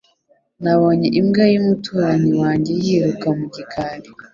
Nabonye imbwa y'umuturanyi wanjye yiruka mu gikari